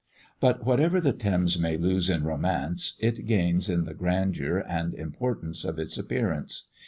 But, whatever the Thames may lose in romance, it gains in the grandeur and importance of its appearance.